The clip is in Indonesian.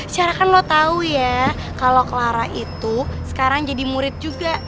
syara kan lo tau ya kalau clara itu sekarang jadi murid juga